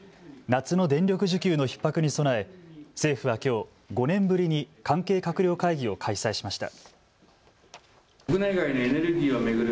夏の電力需給のひっ迫に備え政府はきょう、５年ぶりに関係閣僚会議を開催しました。